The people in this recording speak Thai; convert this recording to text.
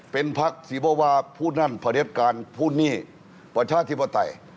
เป็นภักดิ์สิบวาวาผู้นั่นผลิตการผู้หนี้ประชาธิปไตย